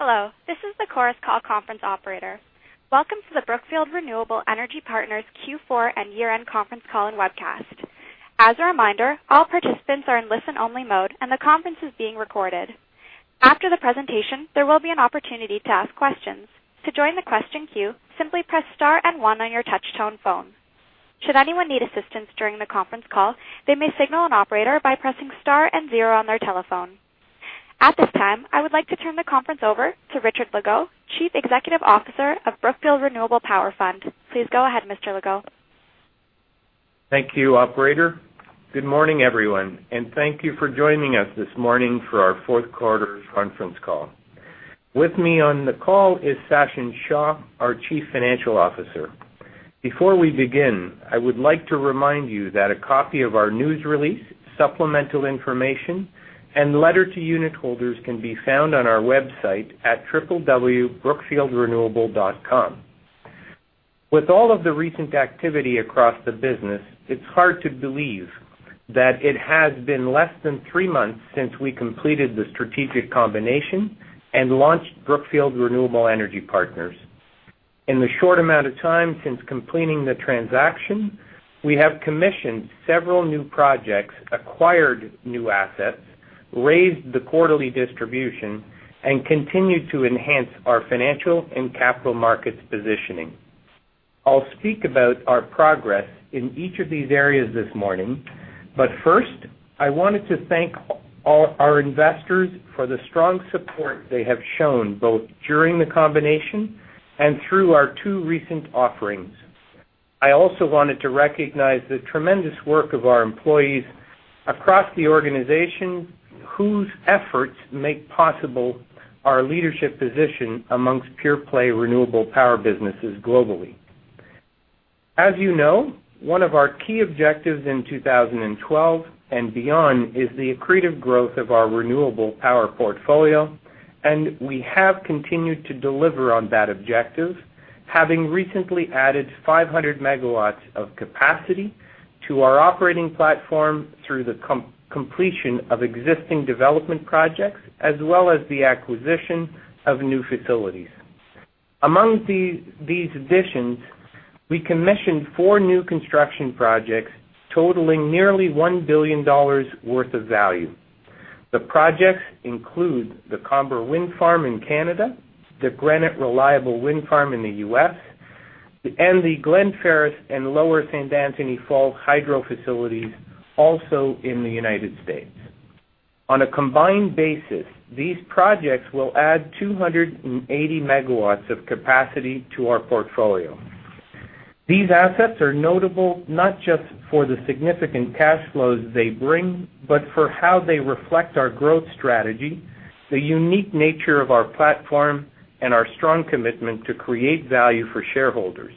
Hello, this is the Chorus Call conference operator. Welcome to the Brookfield Renewable Energy Partners Q4 and year-end conference call and webcast. As a reminder, all participants are in listen-only mode, and the conference is being recorded. After the presentation, there will be an opportunity to ask questions. To join the question queue, simply press star and one on your touchtone phone. Should anyone need assistance during the conference call, they may signal an operator by pressing star and zero on their telephone. At this time, I would like to turn the conference over to Richard Legault, Chief Executive Officer of Brookfield Renewable Power Fund. Please go ahead, Mr. Legault. Thank you, operator. Good morning, everyone, and thank you for joining us this morning for our fourth quarter conference call. With me on the call is Sachin Shah, our Chief Financial Officer. Before we begin, I would like to remind you that a copy of our news release, supplemental information, and letter to unit holders can be found on our website at www.brookfieldrenewable.com. With all of the recent activity across the business, it's hard to believe that it has been less than three months since we completed the strategic combination and launched Brookfield Renewable Energy Partners. In the short amount of time since completing the transaction, we have commissioned several new projects, acquired new assets, raised the quarterly distribution, and continued to enhance our financial and capital markets positioning. I'll speak about our progress in each of these areas this morning, but first, I wanted to thank all our investors for the strong support they have shown, both during the combination and through our two recent offerings. I also wanted to recognize the tremendous work of our employees across the organization, whose efforts make possible our leadership position amongst pure-play renewable power businesses globally. As you know, one of our key objectives in 2012 and beyond is the accretive growth of our renewable power portfolio, and we have continued to deliver on that objective, having recently added 500 MW of capacity to our operating platform through the completion of existing development projects, as well as the acquisition of new facilities. Among these additions, we commissioned four new construction projects totaling nearly $1 billion worth of value. The projects include the Comber Wind Farm in Canada, the Granite Reliable Wind Farm in the U.S., and the Glen Ferris and Lower St. Anthony Falls hydro facilities, also in the United States. On a combined basis, these projects will add 280 MW of capacity to our portfolio. These assets are notable not just for the significant cash flows they bring, but for how they reflect our growth strategy, the unique nature of our platform, and our strong commitment to create value for shareholders.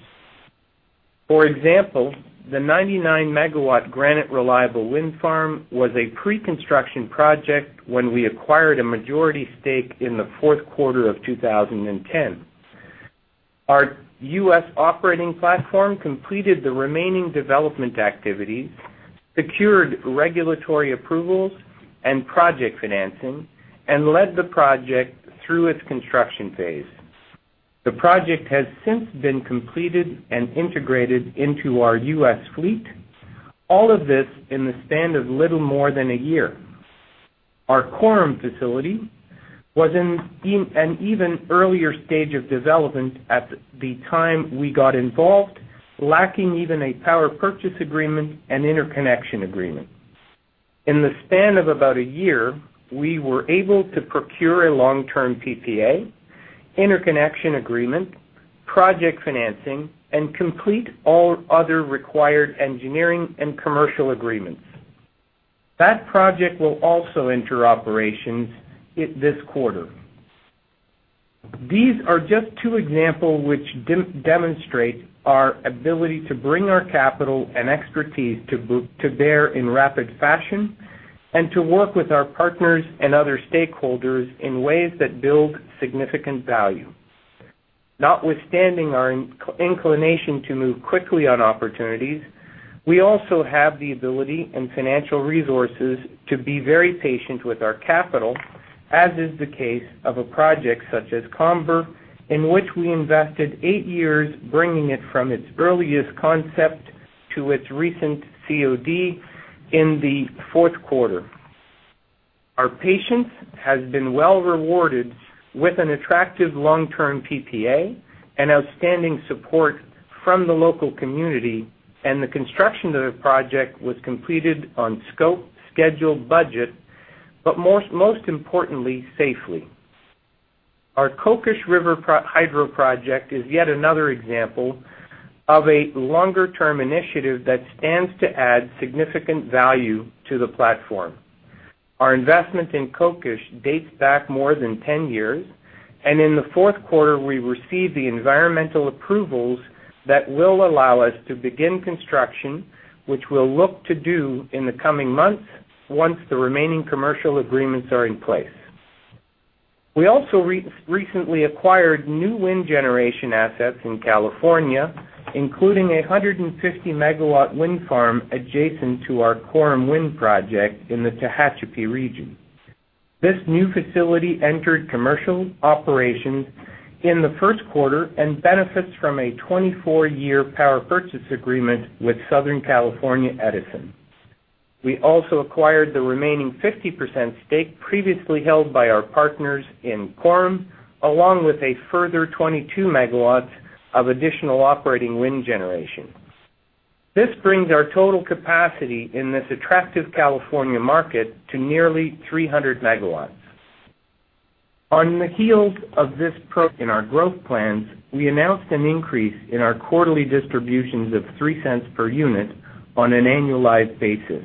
For example, the 99 MW Granite Reliable Wind Farm was a pre-construction project when we acquired a majority stake in the fourth quarter of 2010. Our U.S. operating platform completed the remaining development activities, secured regulatory approvals and project financing, and led the project through its construction phase. The project has since been completed and integrated into our U.S. fleet, all of this in the span of little more than a year. Our Coram facility was in an even earlier stage of development at the time we got involved, lacking even a power purchase agreement and interconnection agreement. In the span of about a year, we were able to procure a long-term PPA, interconnection agreement, project financing, and complete all other required engineering and commercial agreements. That project will also enter operations this quarter. These are just two examples which demonstrate our ability to bring our capital and expertise to bear in rapid fashion and to work with our partners and other stakeholders in ways that build significant value. Notwithstanding our inclination to move quickly on opportunities, we also have the ability and financial resources to be very patient with our capital, as is the case of a project such as Comber, in which we invested eight years bringing it from its earliest concept to its recent COD in the fourth quarter. Our patience has been well rewarded with an attractive long-term PPA and outstanding support from the local community, and the construction of the project was completed on scope, schedule, budget, but most importantly, safely. Our Kokish River hydro project is yet another example of a longer-term initiative that stands to add significant value to the platform. Our investment in Kokish dates back more than 10 years, and in the fourth quarter, we received the environmental approvals that will allow us to begin construction, which we'll look to do in the coming months, once the remaining commercial agreements are in place. We also recently acquired new wind generation assets in California, including a 150 MW wind farm adjacent to our Coram Wind project in the Tehachapi region. This new facility entered commercial operations in the first quarter and benefits from a 24-year power purchase agreement with Southern California Edison. We also acquired the remaining 50% stake previously held by our partners in Coram, along with a further 22 MW of additional operating wind generation. This brings our total capacity in this attractive California market to nearly 300 MW. On the heels of this progress in our growth plans, we announced an increase in our quarterly distributions of 0.03 per unit on an annualized basis.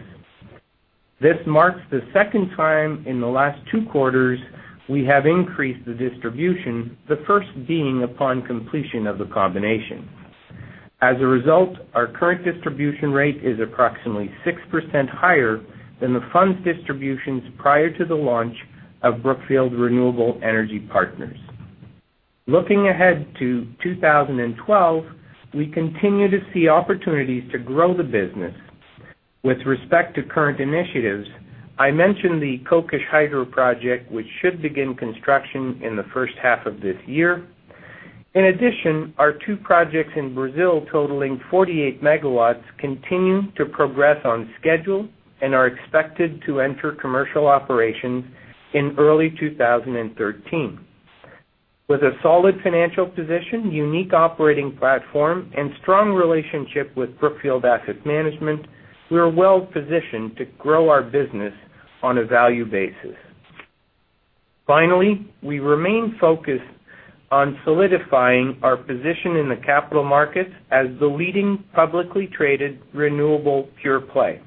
This marks the second time in the last two quarters we have increased the distribution, the first being upon completion of the combination. As a result, our current distribution rate is approximately 6% higher than the fund's distributions prior to the launch of Brookfield Renewable Energy Partners. Looking ahead to 2012, we continue to see opportunities to grow the business. With respect to current initiatives, I mentioned the Kokish Hydro project, which should begin construction in the first half of this year. In addition, our two projects in Brazil, totaling 48 MW, continue to progress on schedule and are expected to enter commercial operations in early 2013. With a solid financial position, unique operating platform, and strong relationship with Brookfield Asset Management, we are well-positioned to grow our business on a value basis. Finally, we remain focused on solidifying our position in the capital markets as the leading, publicly traded, renewable pure-play.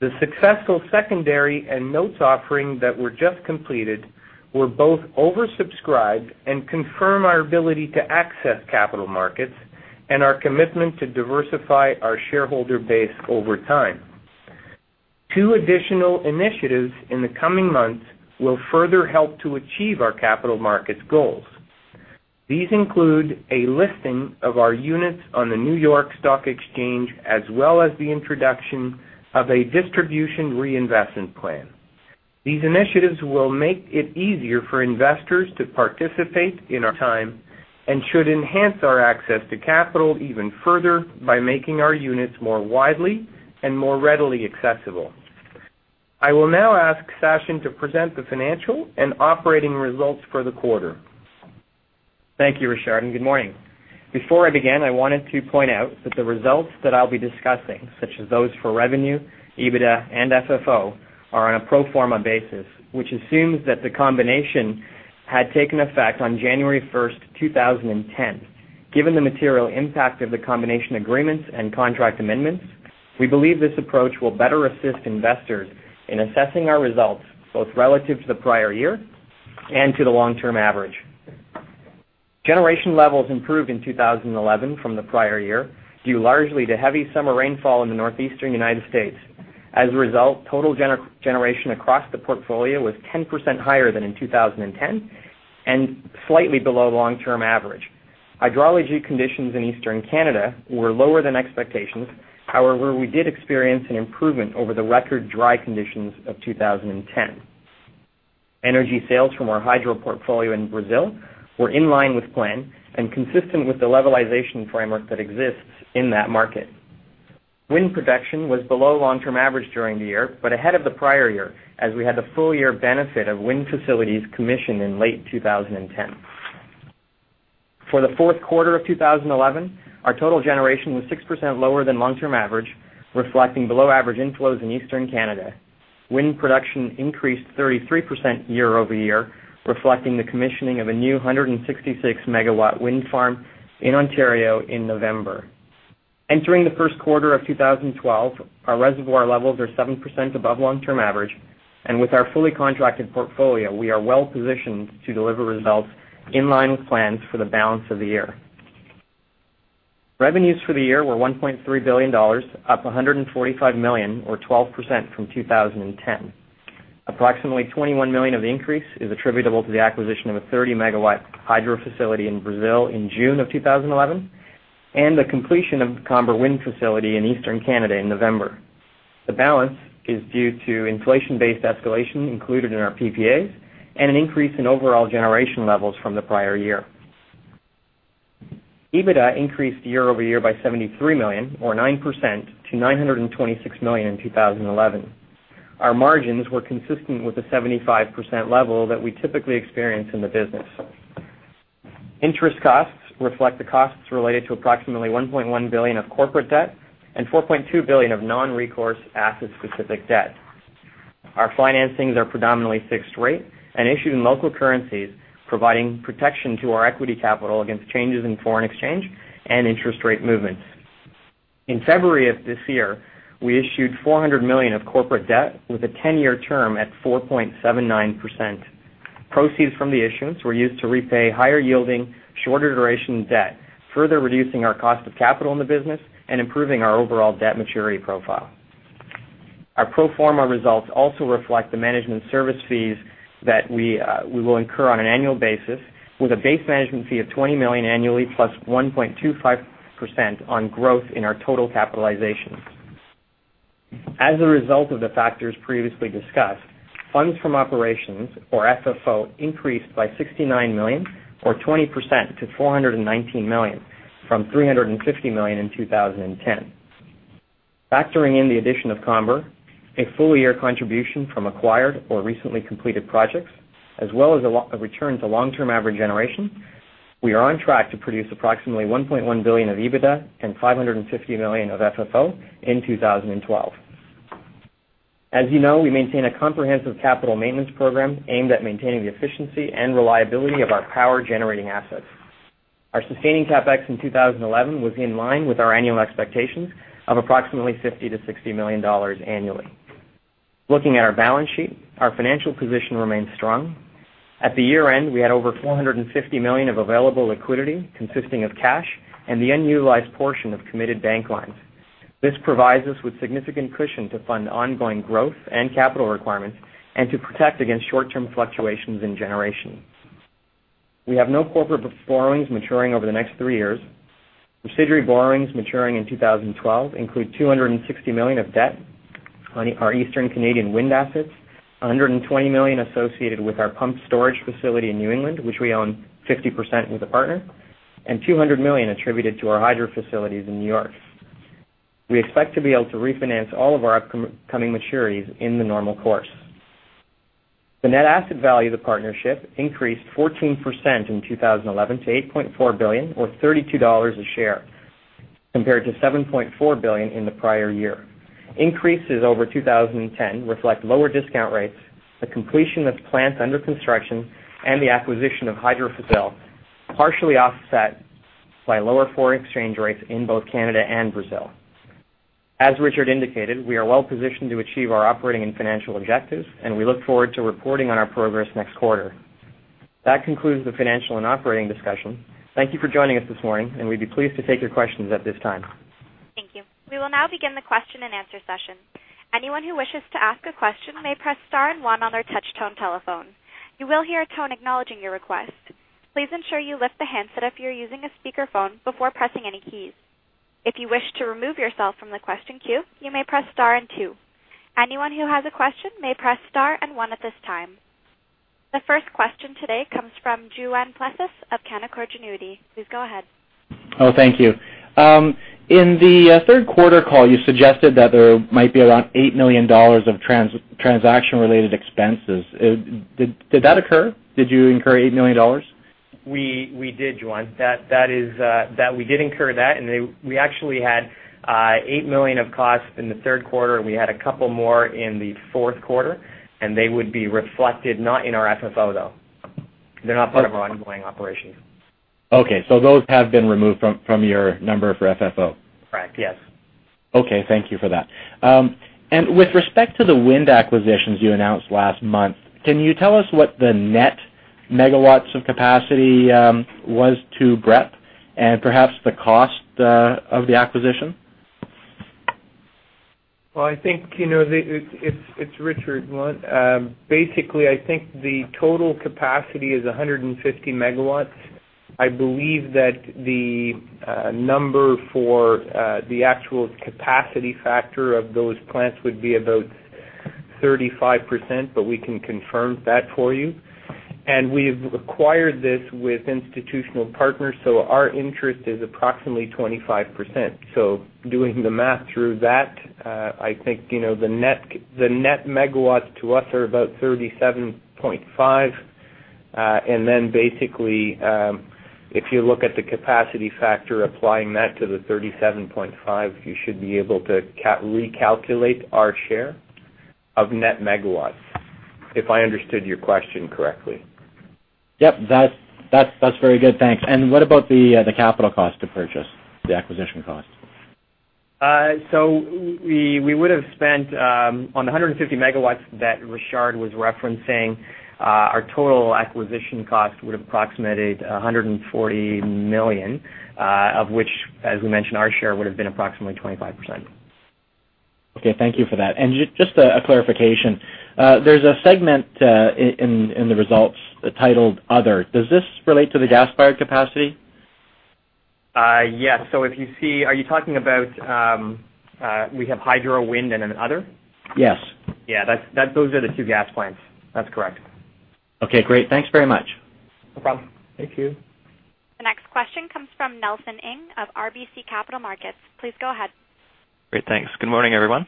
The successful secondary and notes offerings that were just completed were both oversubscribed and confirm our ability to access capital markets and our commitment to diversify our shareholder base over time. Two additional initiatives in the coming months will further help to achieve our capital markets goals. These include a listing of our units on the New York Stock Exchange, as well as the introduction of a distribution reinvestment plan. These initiatives will make it easier for investors to participate in our story and should enhance our access to capital even further by making our units more widely and more readily accessible. I will now ask Sachin to present the financial and operating results for the quarter. Thank you, Richard, and good morning. Before I begin, I wanted to point out that the results that I'll be discussing, such as those for revenue, EBITDA, and FFO, are on a pro forma basis, which assumes that the combination had taken effect on January 1st, 2010. Given the material impact of the combination agreements and contract amendments, we believe this approach will better assist investors in assessing our results, both relative to the prior year and to the long-term average. Generation levels improved in 2011 from the prior year, due largely to heavy summer rainfall in the Northeastern United States. As a result, total generation across the portfolio was 10% higher than in 2010 and slightly below long-term average. Hydrology conditions in Eastern Canada were lower than expectations. However, we did experience an improvement over the record dry conditions of 2010. Energy sales from our hydro portfolio in Brazil were in line with plan and consistent with the levelization framework that exists in that market. Wind production was below long-term average during the year, but ahead of the prior year, as we had the full year benefit of wind facilities commissioned in late 2010. For the fourth quarter of 2011, our total generation was 6% lower than long-term average, reflecting below average inflows in Eastern Canada. Wind production increased 33% year-over-year, reflecting the commissioning of a new 166 MW wind farm in Ontario in November. Entering the first quarter of 2012, our reservoir levels are 7% above long-term average. With our fully contracted portfolio, we are well-positioned to deliver results in line with plans for the balance of the year. Revenues for the year were $1.3 billion, up $145 million or 12% from 2010. Approximately $21 million of the increase is attributable to the acquisition of a 30 MW hydro facility in Brazil in June 2011, and the completion of Comber Wind Farm in Eastern Canada in November. The balance is due to inflation-based escalation included in our PPAs and an increase in overall generation levels from the prior year. EBITDA increased year-over-year by $73 million or 9% to $926 million in 2011. Our margins were consistent with the 75% level that we typically experience in the business. Interest costs reflect the costs related to approximately 1.1 billion of corporate debt and 4.2 billion of non-recourse asset-specific debt. Our financings are predominantly fixed rate and issued in local currencies, providing protection to our equity capital against changes in foreign exchange and interest rate movements. In February of this year, we issued 400 million of corporate debt with a 10-year term at 4.79%. Proceeds from the issuance were used to repay higher-yielding, shorter-duration debt, further reducing our cost of capital in the business and improving our overall debt maturity profile. Our pro forma results also reflect the management service fees that we will incur on an annual basis with a base management fee of 20 million annually plus 1.25% on growth in our total capitalization. As a result of the factors previously discussed, funds from operations, or FFO, increased by $69 million, or 20% to $419 million from $350 million in 2010. Factoring in the addition of Comber, a full-year contribution from acquired or recently completed projects, as well as a return to long-term average generation, we are on track to produce approximately $1.1 billion of EBITDA and $550 million of FFO in 2012. As you know, we maintain a comprehensive capital maintenance program aimed at maintaining the efficiency and reliability of our power-generating assets. Our sustaining CapEx in 2011 was in line with our annual expectations of approximately $50 million-$60 million annually. Looking at our balance sheet, our financial position remains strong. At the year-end, we had over 450 million of available liquidity consisting of cash and the unutilized portion of committed bank lines. This provides us with significant cushion to fund ongoing growth and capital requirements and to protect against short-term fluctuations in generation. We have no corporate borrowings maturing over the next three years. Residual borrowings maturing in 2012 include 260 million of debt on our Eastern Canadian wind assets, 120 million associated with our pumped storage facility in New England, which we own 50% with a partner, and 200 million attributed to our hydro facilities in New York. We expect to be able to refinance all of our upcoming maturities in the normal course. The net asset value of the partnership increased 14% in 2011 to $8.4 billion or $32 a share, compared to $7.4 billion in the prior year. Increases over 2010 reflect lower discount rates, the completion of plants under construction, and the acquisition of Baixo Iguaçu hydropower plant, partially offset by lower foreign exchange rates in both Canada and Brazil. As Richard indicated, we are well positioned to achieve our operating and financial objectives, and we look forward to reporting on our progress next quarter. That concludes the financial and operating discussion. Thank you for joining us this morning, and we'd be pleased to take your questions at this time. Thank you. We will now begin the question-and-answer session. Anyone who wishes to ask a question may press star and one on their touch tone telephone. You will hear a tone acknowledging your request. Please ensure you lift the handset up if you're using a speakerphone before pressing any keys. If you wish to remove yourself from the question queue, you may press star and two. Anyone who has a question may press star and one at this time. The first question today comes from Juan Plessis of Canaccord Genuity. Please go ahead. Oh, thank you. In the third quarter call, you suggested that there might be around 8 million dollars of transaction-related expenses. Did that occur? Did you incur 8 million dollars? We did, Juan. That is, we did incur that, and we actually had 8 million of costs in the third quarter, and we had a couple more in the fourth quarter, and they would be reflected not in our FFO, though. They're not part of our ongoing operations. Okay. Those have been removed from your number for FFO? Correct, yes. Okay, thank you for that. With respect to the wind acquisitions you announced last month, can you tell us what the net megawatts of capacity was to BREP and perhaps the cost of the acquisition? Well, I think you know. It's Richard, Juan. Basically I think the total capacity is 150 MW. I believe that the number for the actual capacity factor of those plants would be about 35%, but we can confirm that for you. We've acquired this with institutional partners, so our interest is approximately 25%. Doing the math through that, I think, you know, the net megawatts to us are about 37.5%. Then basically, if you look at the capacity factor, applying that to the 37.5%, you should be able to recalculate our share of net megawatts, if I understood your question correctly. Yep, that's very good. Thanks. What about the capital cost to purchase, the acquisition cost? We would have spent on the 150 MW that Richard was referencing, our total acquisition cost would have approximated 140 million, of which, as we mentioned, our share would have been approximately 25%. Okay, thank you for that. Just a clarification. There's a segment in the results titled Other. Does this relate to the gas-fired capacity? Yes. Are you talking about, we have hydro, wind, and other? Yes. Yeah, that's those are the two gas plants. That's correct. Okay, great. Thanks very much. No problem. Thank you. The next question comes from Nelson Ng of RBC Capital Markets. Please go ahead. Great, thanks. Good morning, everyone.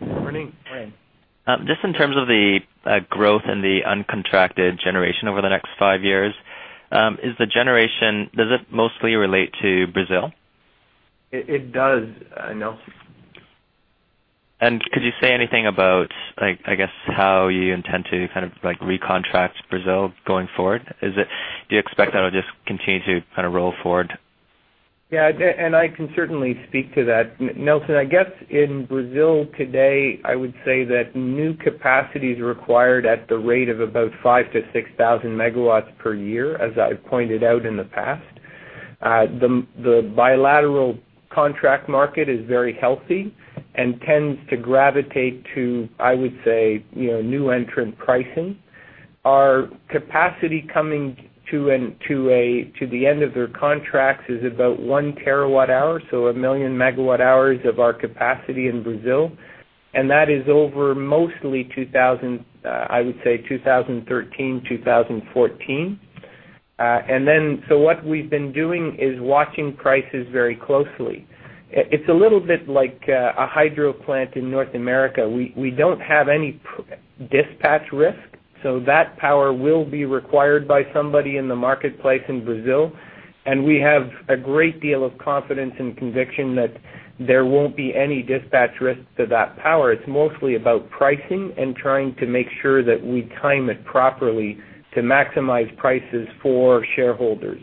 Morning. Morning. Just in terms of the growth in the uncontracted generation over the next five years, does it mostly relate to Brazil? It does, Nelson. Could you say anything about, like, I guess, how you intend to kind of, like, recontract Brazil going forward? Is it, do you expect that'll just continue to kind of roll forward? Yeah, and I can certainly speak to that, Nelson. I guess in Brazil today, I would say that new capacity is required at the rate of about 5,000-6,000 MW per year, as I've pointed out in the past. The bilateral contract market is very healthy and tends to gravitate to, I would say, you know, new entrant pricing. Our capacity coming to the end of their contracts is about 1 TWh, so 1 million MWh of our capacity in Brazil. That is over, mostly I would say, 2014. What we've been doing is watching prices very closely. It's a little bit like a hydro plant in North America. We don't have any dispatch risk, so that power will be required by somebody in the marketplace in Brazil. We have a great deal of confidence and conviction that there won't be any dispatch risk to that power. It's mostly about pricing and trying to make sure that we time it properly to maximize prices for shareholders.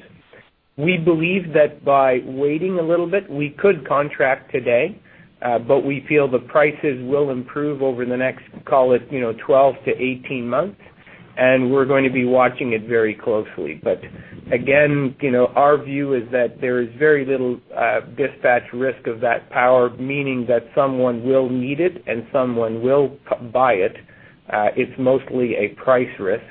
We believe that by waiting a little bit, we could contract today, but we feel the prices will improve over the next, call it, you know, 12-18 months, and we're going to be watching it very closely. Again, you know, our view is that there is very little dispatch risk of that power, meaning that someone will need it and someone will buy it. It's mostly a price risk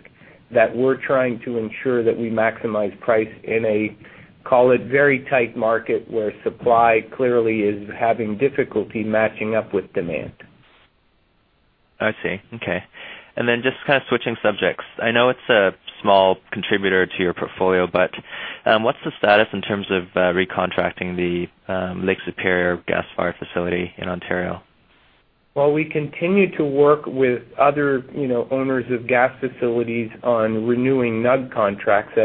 that we're trying to ensure that we maximize price in a, call it, very tight market, where supply clearly is having difficulty matching up with demand. I see. Okay. Just kind of switching subjects. I know it's a small contributor to your portfolio, but what's the status in terms of recontracting the Lake Superior gas-fired facility in Ontario? Well, we continue to work with other, you know, owners of gas facilities on renewing NUG contracts.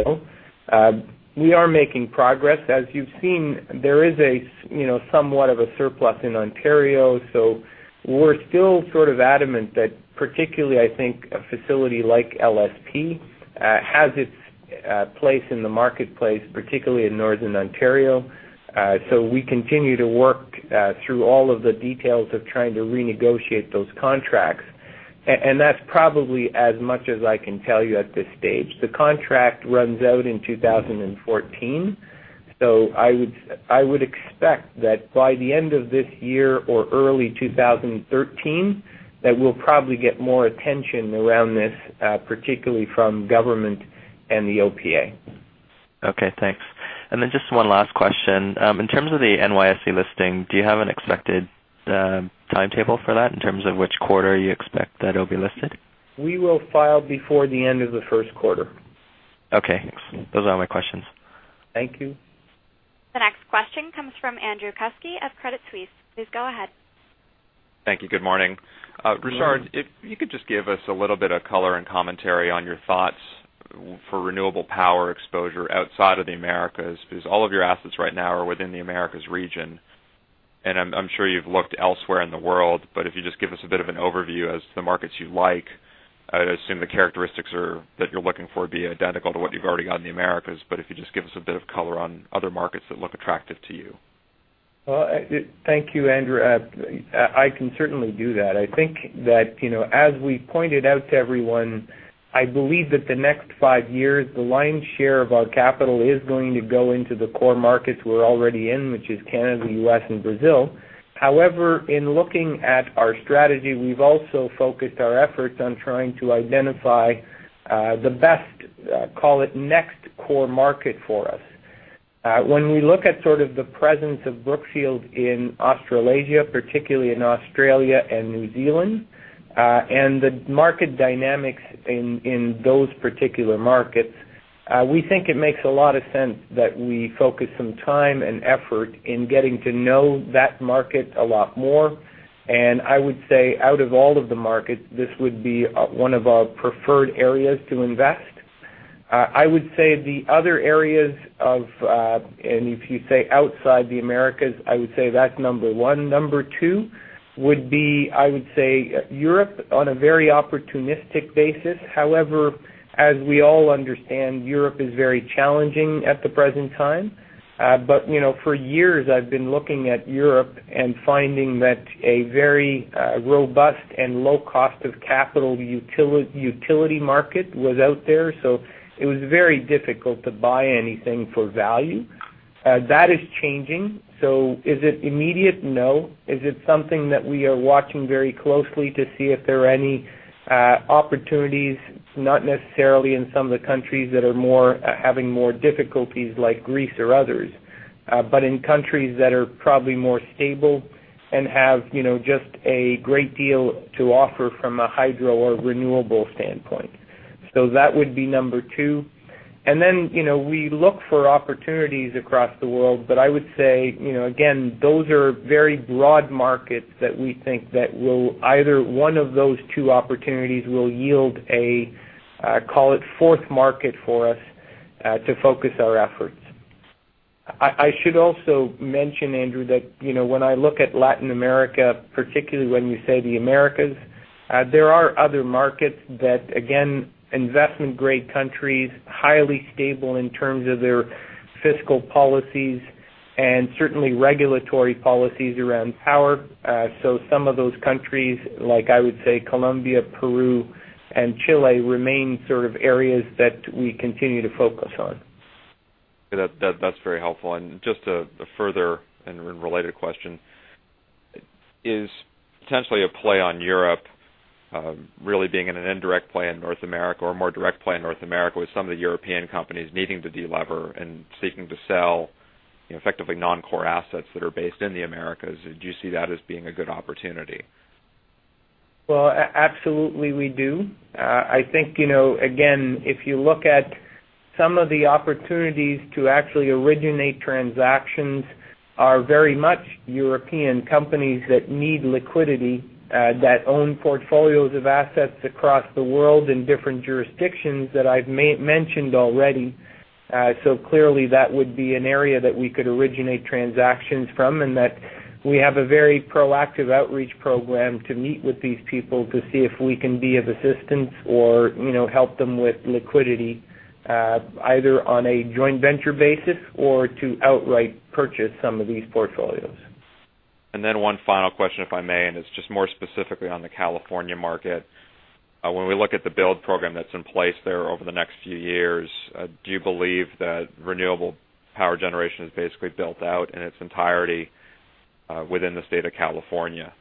We are making progress. As you've seen, there is, you know, somewhat of a surplus in Ontario. We're still sort of adamant that particularly, I think, a facility like LSP has its place in the marketplace, particularly in Northern Ontario. We continue to work through all of the details of trying to renegotiate those contracts. That's probably as much as I can tell you at this stage. The contract runs out in 2014, I would expect that by the end of this year or early 2013, that we'll probably get more attention around this, particularly from government and the OPA. Okay. Thanks. Just one last question. In terms of the NYSE listing, do you have an expected timetable for that in terms of which quarter you expect that it'll be listed? We will file before the end of the first quarter. Okay, thanks. Those are all my questions. Thank you. The next question comes from Andrew Kuske of Credit Suisse. Please go ahead. Thank you. Good morning. Good morning. Richard Legault, if you could just give us a little bit of color and commentary on your thoughts for renewable power exposure outside of the Americas, because all of your assets right now are within the Americas region. I'm sure you've looked elsewhere in the world, but if you just give us a bit of an overview as to the markets you like. I'd assume the characteristics are, that you're looking for, be identical to what you've already got in the Americas, but if you just give us a bit of color on other markets that look attractive to you. Well, thank you, Andrew. I can certainly do that. I think that, you know, as we pointed out to everyone, I believe that the next five years, the lion's share of our capital is going to go into the core markets we're already in, which is Canada, U.S., and Brazil. However, in looking at our strategy, we've also focused our efforts on trying to identify, the best, call it, next core market for us. When we look at sort of the presence of Brookfield in Australasia, particularly in Australia and New Zealand, and the market dynamics in those particular markets, we think it makes a lot of sense that we focus some time and effort in getting to know that market a lot more. I would say, out of all of the markets, this would be one of our preferred areas to invest. I would say the other areas of, and if you say outside the Americas, I would say that's number one. Number two would be, I would say, Europe on a very opportunistic basis. However, as we all understand, Europe is very challenging at the present time. But, you know, for years, I've been looking at Europe and finding that a very robust and low cost of capital utility market was out there. It was very difficult to buy anything for value. That is changing. Is it immediate? No. Is it something that we are watching very closely to see if there are any opportunities, not necessarily in some of the countries that are more having more difficulties like Greece or others, but in countries that are probably more stable and have, you know, just a great deal to offer from a hydro or renewable standpoint. That would be number two. You know, we look for opportunities across the world, but I would say, you know, again, those are very broad markets that we think will, either one of those two opportunities will yield a, call it, fourth market for us to focus our efforts. I should also mention, Andrew, that, you know, when I look at Latin America, particularly when you say the Americas, there are other markets that again, investment-grade countries, highly stable in terms of their fiscal policies and certainly regulatory policies around power. So some of those countries, like I would say Colombia, Peru, and Chile remain sort of areas that we continue to focus on. That's very helpful. Just a further and related question. Is potentially a play on Europe, really being in an indirect play in North America or a more direct play in North America, with some of the European companies needing to delever and seeking to sell, effectively non-core assets that are based in the Americas. Do you see that as being a good opportunity? Well, absolutely, we do. I think, you know, again, if you look at some of the opportunities to actually originate transactions are very much European companies that need liquidity, that own portfolios of assets across the world in different jurisdictions that I've mentioned already. Clearly that would be an area that we could originate transactions from, and that we have a very proactive outreach program to meet with these people to see if we can be of assistance or, you know, help them with liquidity, either on a joint venture basis or to outright purchase some of these portfolios. One final question, if I may, and it's just more specifically on the California market. When we look at the build program that's in place there over the next few years, do you believe that renewable power generation is basically built out in its entirety within the state of California?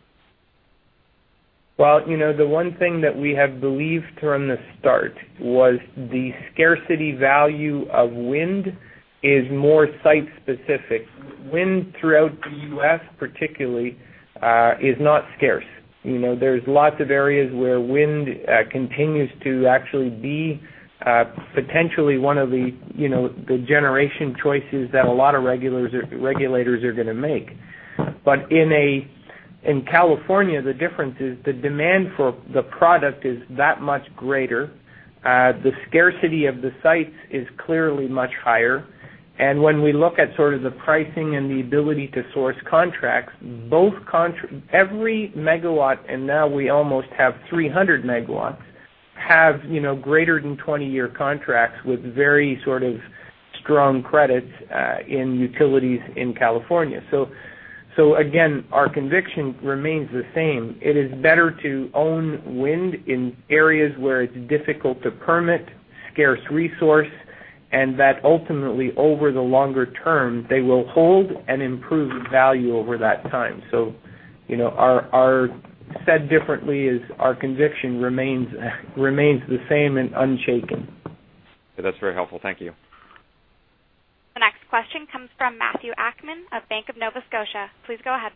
Well, you know, the one thing that we have believed from the start was the scarcity value of wind is more site-specific. Wind throughout the U.S., particularly, is not scarce. You know, there's lots of areas where wind continues to actually be potentially one of the, you know, the generation choices that a lot of regulators are gonna make. In California, the difference is the demand for the product is that much greater. The scarcity of the sites is clearly much higher. When we look at sort of the pricing and the ability to source contracts, every megawatt, and now we almost have 300 MW have, you know, greater than 20-year contracts with very sort of strong credits in utilities in California. Again, our conviction remains the same. It is better to own wind in areas where it's difficult to permit, scarce resource, and that ultimately, over the longer term, they will hold and improve value over that time. You know, said differently, our conviction remains the same and unshaken. That's very helpful. Thank you. The next question comes from Matthew Akman of Bank of Nova Scotia. Please go ahead.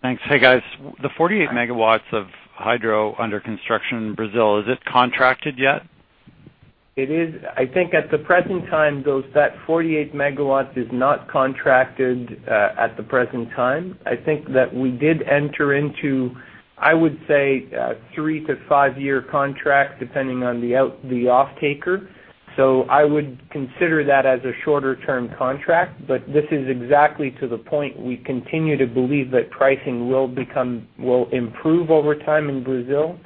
Thanks. Hey, guys. The 48 MW of hydro under construction in Brazil, is it contracted yet? It is. I think at the present time, that 48 MW is not contracted at the present time. I think that we did enter into, I would say, three to five-year contract, depending on the offtaker. I would consider that as a shorter-term contract. This is exactly to the point we continue to believe that pricing will improve over time in Brazil,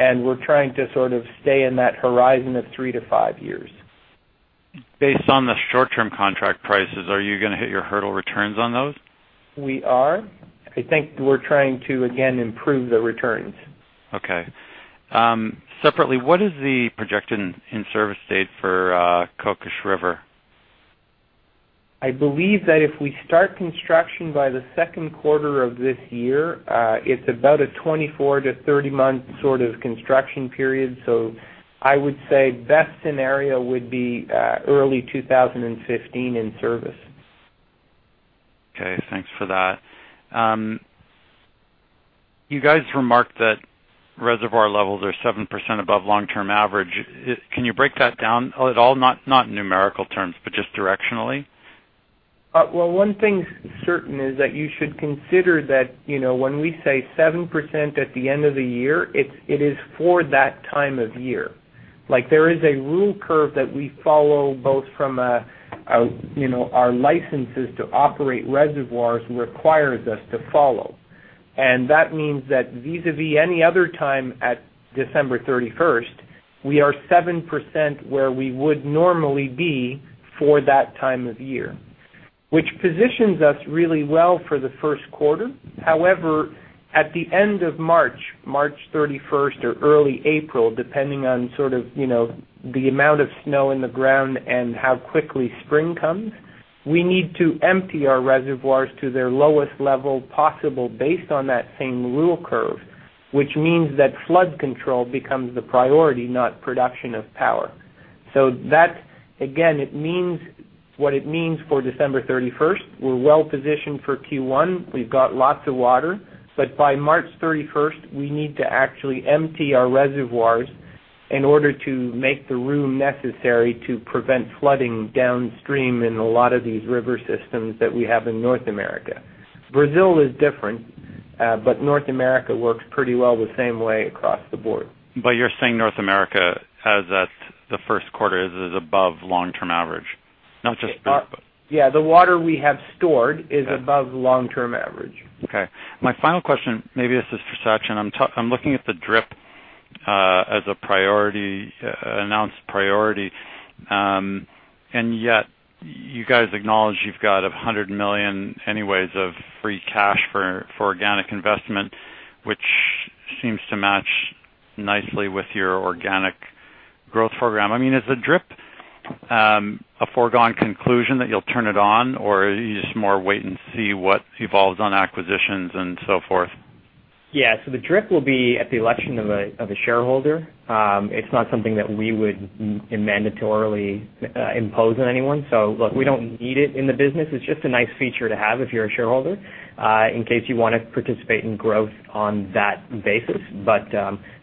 and we're trying to sort of stay in that horizon of three to five years. Based on the short-term contract prices, are you gonna hit your hurdle returns on those? We are. I think we're trying to again improve the returns. Okay. Separately, what is the projection in service date for Kokish River? I believe that if we start construction by the second quarter of this year, it's about a 24- to 30-month sort of construction period. I would say best scenario would be early 2015 in service. Okay, thanks for that. You guys remarked that reservoir levels are 7% above long-term average. Can you break that down at all? Not in numerical terms, but just directionally. Well, one thing's certain is that you should consider that, you know, when we say 7% at the end of the year, it is for that time of year. Like, there is a rule curve that we follow both from, you know, our licenses to operate reservoirs requires us to follow. That means that vis-a-vis any other time at December 31st, we are 7% where we would normally be for that time of year. Which positions us really well for the first quarter. However, at the end of March 31st or early April, depending on sort of, you know, the amount of snow in the ground and how quickly spring comes, we need to empty our reservoirs to their lowest level possible based on that same rule curve, which means that flood control becomes the priority, not production of power. That, again, it means what it means for December 31st, we're well positioned for Q1. We've got lots of water. By March 31st, we need to actually empty our reservoirs in order to make the room necessary to prevent flooding downstream in a lot of these river systems that we have in North America. Brazil is different, North America works pretty well the same way across the board. You're saying North America has, at the first quarter, is above long-term average, not just. Yeah. The water we have stored. Yeah. is above long-term average. Okay. My final question, maybe this is for Sachin. I'm looking at the DRIP as a priority, announced priority. Yet you guys acknowledge you've got 100 million anyways of free cash for organic investment. It seems to match nicely with your organic growth program. I mean, is the DRIP a foregone conclusion that you'll turn it on or you just more wait and see what evolves on acquisitions and so forth? Yeah. The DRIP will be at the election of a shareholder. It's not something that we would mandatorily impose on anyone. Look, we don't need it in the business. It's just a nice feature to have if you're a shareholder in case you wanna participate in growth on that basis. But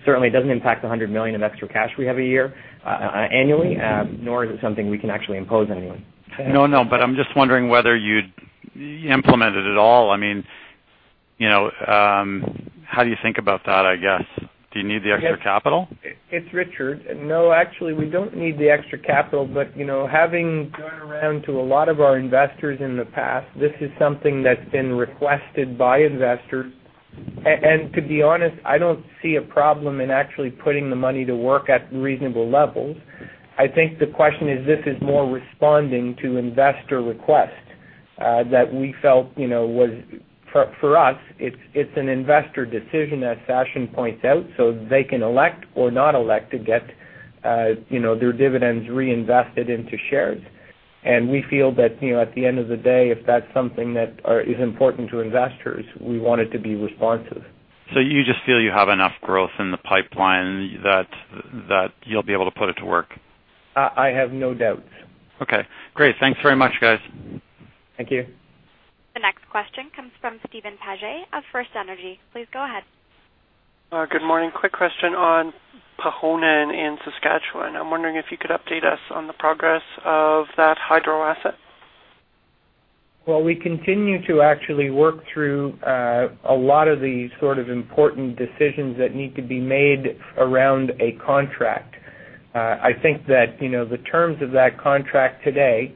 certainly it doesn't impact the 100 million of extra cash we have annually, nor is it something we can actually impose on anyone. No, no, I'm just wondering whether you'd implement it at all. I mean, you know, how do you think about that, I guess? Do you need the extra capital? It's Richard. No, actually, we don't need the extra capital. You know, having gone around to a lot of our investors in the past, this is something that's been requested by investors. To be honest, I don't see a problem in actually putting the money to work at reasonable levels. I think the question is this is more responding to investor request that we felt, you know. For us, it's an investor decision as Sachin points out, so they can elect or not elect to get, you know, their dividends reinvested into shares. We feel that, you know, at the end of the day, if that's something that is important to investors, we want it to be responsive. you just feel you have enough growth in the pipeline that you'll be able to put it to work? I have no doubts. Okay. Great. Thanks very much, guys. Thank you. The next question comes from Steven Paget of FirstEnergy. Please go ahead. Good morning. Quick question on Pehonan in Saskatchewan. I'm wondering if you could update us on the progress of that hydro asset. Well, we continue to actually work through a lot of the sort of important decisions that need to be made around a contract. I think that, you know, the terms of that contract today,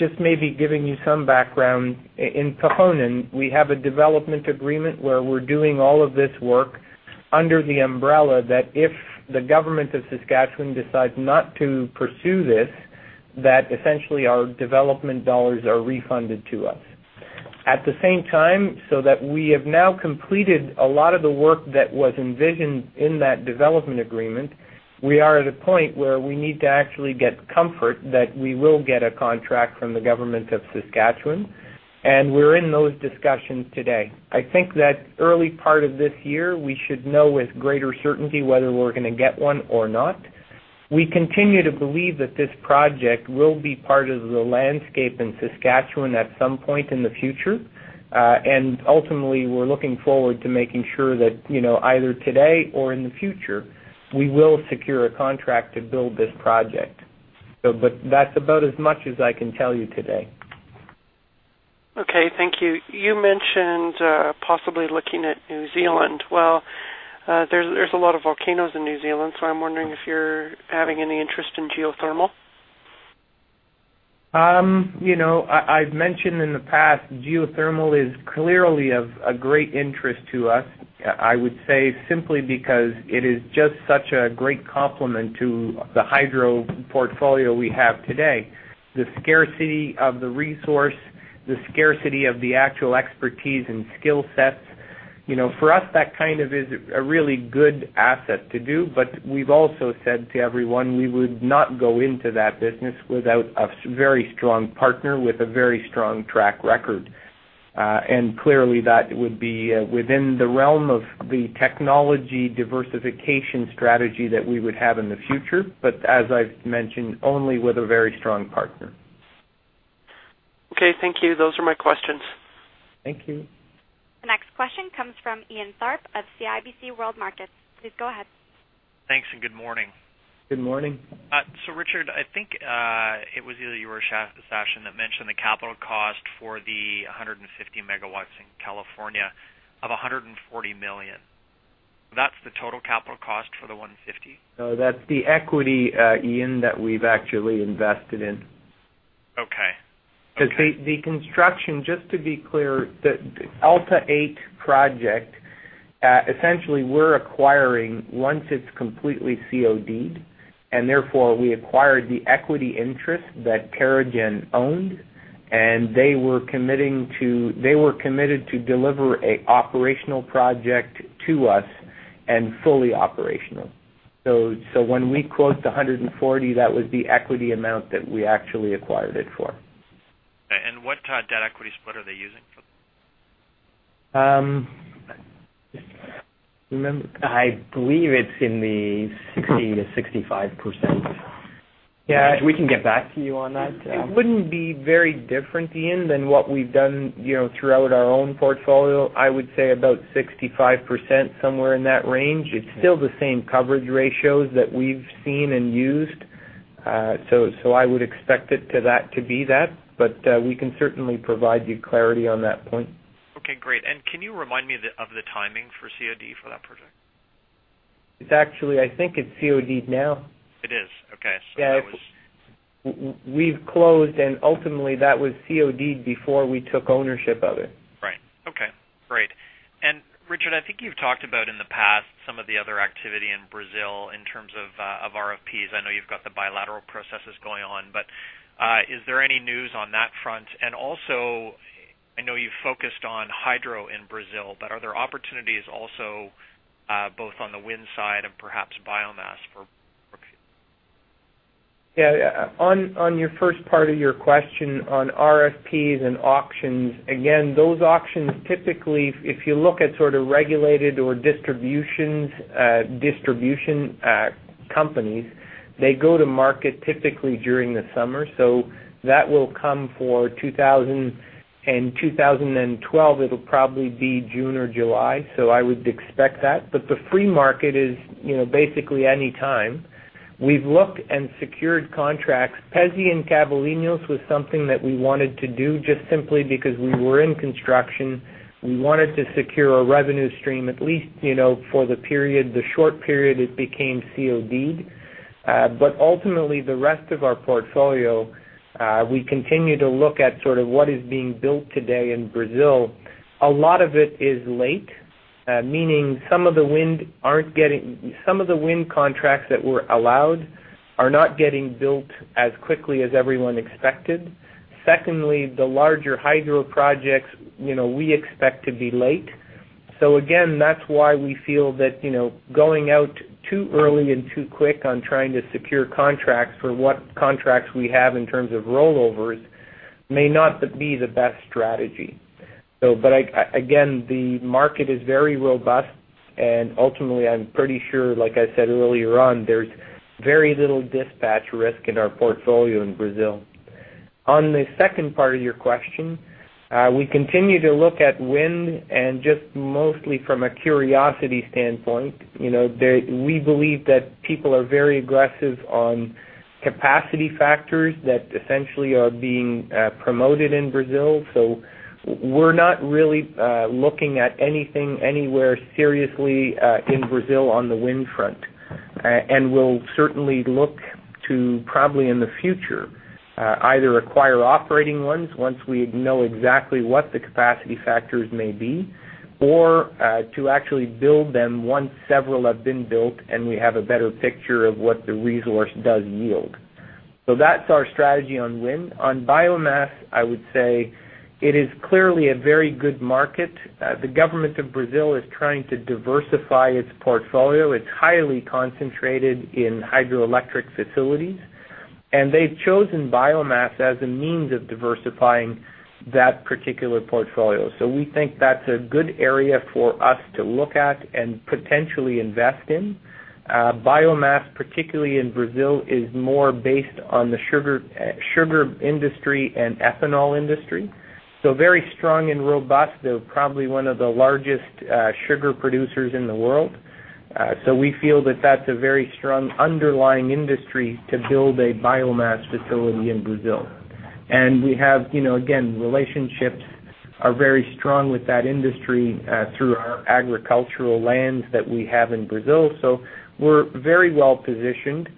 just maybe giving you some background. In Pehonan, we have a development agreement where we're doing all of this work under the umbrella that if the government of Saskatchewan decides not to pursue this, that essentially our development dollars are refunded to us. At the same time, so that we have now completed a lot of the work that was envisioned in that development agreement, we are at a point where we need to actually get comfort that we will get a contract from the government of Saskatchewan, and we're in those discussions today. I think that early part of this year, we should know with greater certainty whether we're gonna get one or not. We continue to believe that this project will be part of the landscape in Saskatchewan at some point in the future. Ultimately, we're looking forward to making sure that, you know, either today or in the future, we will secure a contract to build this project. That's about as much as I can tell you today. Okay. Thank you. You mentioned possibly looking at New Zealand. Well, there's a lot of volcanoes in New Zealand, so I'm wondering if you're having any interest in geothermal. You know, I've mentioned in the past, geothermal is clearly of a great interest to us, I would say simply because it is just such a great complement to the hydro portfolio we have today, the scarcity of the resource, the scarcity of the actual expertise and skill sets. You know, for us, that kind of is a really good asset to do. We've also said to everyone, we would not go into that business without a very strong partner with a very strong track record. Clearly that would be within the realm of the technology diversification strategy that we would have in the future. As I've mentioned, only with a very strong partner. Okay. Thank you. Those are my questions. Thank you. The next question comes from Ian Tharp of CIBC World Markets. Please go ahead. Thanks, and Good morning. Good morning. Richard, I think it was either you or Sachin that mentioned the capital cost for the 150 MW in California of 140 million. That's the total capital cost for the 150 MW? No, that's the equity, Ian, that we've actually invested in. Okay. Okay. 'Cause the construction, just to be clear, the Alta VIII project, essentially we're acquiring once it's completely CODed, and therefore we acquired the equity interest that Terra-Gen owned, and they were committed to deliver a operational project to us and fully operational. So when we quote the 140 million, that was the equity amount that we actually acquired it for. What debt equity split are they using for that? I believe it's in the 60%-65%. Yeah. We can get back to you on that. It wouldn't be very different, Ian, than what we've done, you know, throughout our own portfolio. I would say about 65%, somewhere in that range. It's still the same coverage ratios that we've seen and used. So I would expect it to be that. We can certainly provide you clarity on that point. Okay, great. Can you remind me of the timing for COD for that project? It's actually I think it's CODed now. It is. Okay. Yeah. We've closed, and ultimately that was CODed before we took ownership of it. Right. Okay. Great. Richard, I think you've talked about in the past some of the other activity in Brazil in terms of RFPs. I know you've got the bilateral processes going on, but is there any news on that front? Also, I know you've focused on hydro in Brazil, but are there opportunities also both on the wind side and perhaps biomass for Brookfield? Yeah. On your first part of your question on RFPs and auctions, again, those auctions, typically, if you look at sort of regulated or distribution companies, they go to market typically during the summer. That will come in 2012, it'll probably be June or July, so I would expect that. The free market is, you know, basically any time. We've looked and secured contracts. Pezzi and Cavalinhos was something that we wanted to do just simply because we were in construction. We wanted to secure a revenue stream, at least, you know, for the period, the short period it became COD. Ultimately, the rest of our portfolio, we continue to look at sort of what is being built today in Brazil. A lot of it is late, meaning some of the wind contracts that were allowed are not getting built as quickly as everyone expected. Secondly, the larger hydro projects, you know, we expect to be late. Again, that's why we feel that, you know, going out too early and too quick on trying to secure contracts for what contracts we have in terms of rollovers may not be the best strategy. But again, the market is very robust, and ultimately, I'm pretty sure, like I said earlier on, there's very little dispatch risk in our portfolio in Brazil. On the second part of your question, we continue to look at wind and just mostly from a curiosity standpoint. You know, we believe that people are very aggressive on capacity factors that essentially are being promoted in Brazil. We're not really looking at anything anywhere seriously in Brazil on the wind front. We'll certainly look to probably in the future either acquire operating ones once we know exactly what the capacity factors may be, or to actually build them once several have been built, and we have a better picture of what the resource does yield. That's our strategy on wind. On biomass, I would say it is clearly a very good market. The government of Brazil is trying to diversify its portfolio. It's highly concentrated in hydroelectric facilities, and they've chosen biomass as a means of diversifying that particular portfolio. We think that's a good area for us to look at and potentially invest in. Biomass, particularly in Brazil, is more based on the sugar industry and ethanol industry, so very strong and robust. They're probably one of the largest sugar producers in the world. We feel that that's a very strong underlying industry to build a biomass facility in Brazil. We have, you know, again, relationships are very strong with that industry through our agricultural lands that we have in Brazil. We're very well-positioned.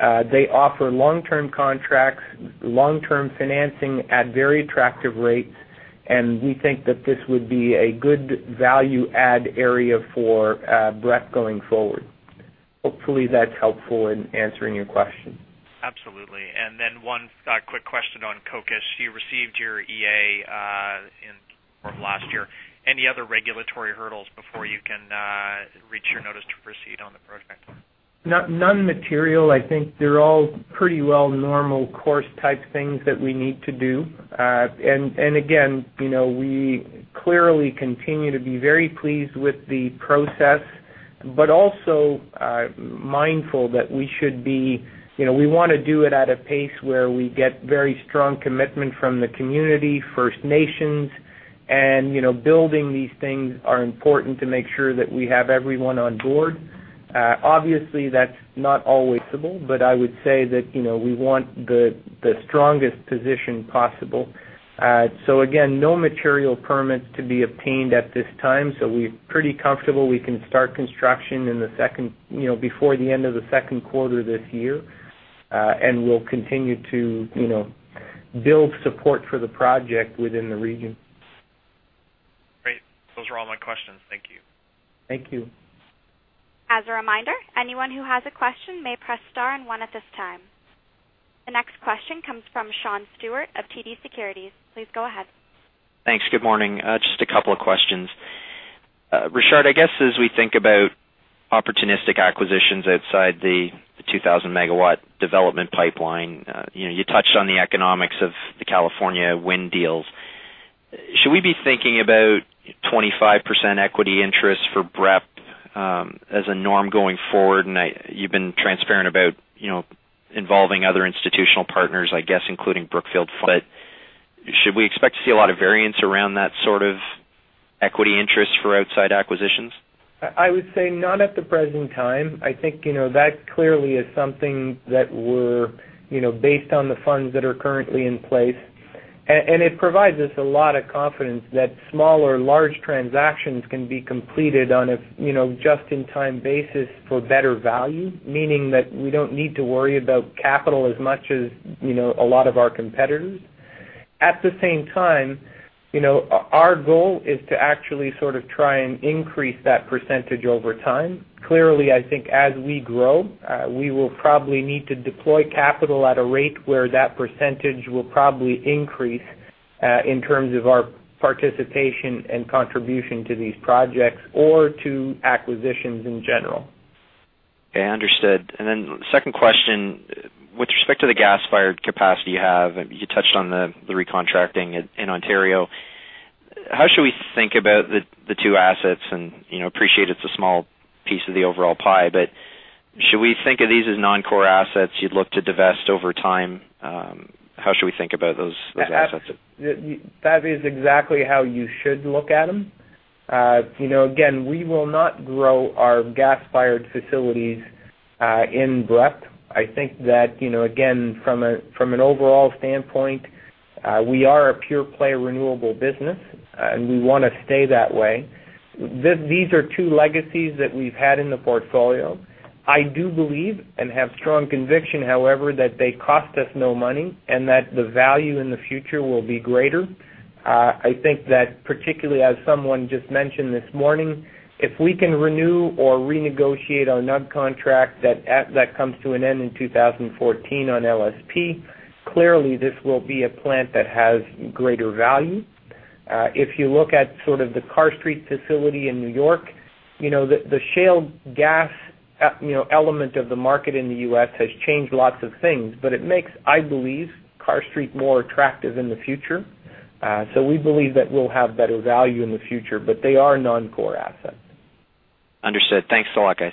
They offer long-term contracts, long-term financing at very attractive rates, and we think that this would be a good value-add area for BREP going forward. Hopefully, that's helpful in answering your question. Absolutely. One quick question on Kokish. You received your EA of last year. Any other regulatory hurdles before you can reach your notice to proceed on the project? Non-material. I think they're all pretty well normal course type things that we need to do. Again, you know, we clearly continue to be very pleased with the process, but also, mindful that we should be, you know, we wanna do it at a pace where we get very strong commitment from the community, First Nations, and, you know, building these things are important to make sure that we have everyone on board. Obviously, that's not always possible, but I would say that, you know, we want the strongest position possible. Again, no material permits to be obtained at this time, so we're pretty comfortable we can start construction in the second before the end of the second quarter this year. We'll continue to, you know, build support for the project within the region. Great. Those are all my questions. Thank you. Thank you. As a reminder, anyone who has a question may press star and one at this time. The next question comes from Sean Stewart of TD Securities. Please go ahead. Thanks. Good morning. Just a couple of questions. Richard, I guess as we think about opportunistic acquisitions outside the 2,000 MW development pipeline, you know, you touched on the economics of the California wind deals. Should we be thinking about 25% equity interest for BREP as a norm going forward? You've been transparent about, you know, involving other institutional partners, I guess, including Brookfield. Should we expect to see a lot of variance around that sort of equity interest for outside acquisitions? I would say none at the present time. I think, you know, that clearly is something that we're, you know, based on the funds that are currently in place. And it provides us a lot of confidence that small or large transactions can be completed on a, you know, just in time basis for better value, meaning that we don't need to worry about capital as much as, you know, a lot of our competitors. At the same time, you know, our goal is to actually sort of try and increase that percentage over time. Clearly, I think as we grow, we will probably need to deploy capital at a rate where that percentage will probably increase. In terms of our participation and contribution to these projects or to acquisitions in general. Okay, understood. Second question, with respect to the gas-fired capacity you have, you touched on the recontracting in Ontario. How should we think about the two assets and, you know, appreciate it's a small piece of the overall pie, but should we think of these as non-core assets you'd look to divest over time? How should we think about those assets? That is exactly how you should look at them. You know, again, we will not grow our gas-fired facilities in BREP. I think that, you know, again, from an overall standpoint, we are a pure play renewable business, and we wanna stay that way. These are two legacies that we've had in the portfolio. I do believe and have strong conviction, however, that they cost us no money and that the value in the future will be greater. I think that particularly as someone just mentioned this morning, if we can renew or renegotiate our NUG contract that comes to an end in 2014 on LSP, clearly this will be a plant that has greater value. If you look at sort of the Carr Street facility in New York, you know, the shale gas element of the market in the U.S. has changed lots of things, but it makes, I believe, Carr Street more attractive in the future. We believe that we'll have better value in the future, but they are non-core assets. Understood. Thanks a lot, guys.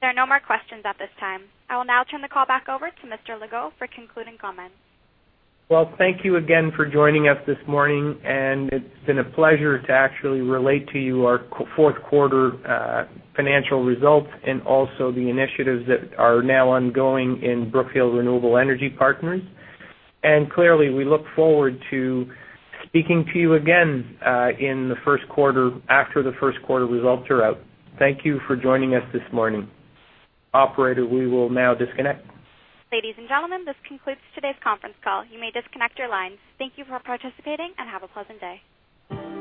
There are no more questions at this time. I will now turn the call back over to Mr. Legault for concluding comments. Well, thank you again for joining us this morning, and it's been a pleasure to actually relate to you our fourth quarter financial results and also the initiatives that are now ongoing in Brookfield Renewable Energy Partners. Clearly, we look forward to speaking to you again in the first quarter, after the first quarter results are out. Thank you for joining us this morning. Operator, we will now disconnect. Ladies and gentlemen, this concludes today's conference call. You may disconnect your lines. Thank you for participating, and have a pleasant day.